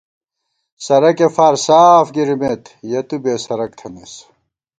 سرَکےفار ساف گِرِمېت، یَہ تُو بېسَرَک تھنَئیس